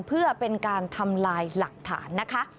เพื่อเป็นการทำลายหลักฐานนะคะ